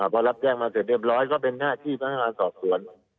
พอรับแจ้งมาเสร็จเรียบร้อยก็เป็นหน้าที่พนักงานสอบสวน